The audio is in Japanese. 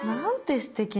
すてきな！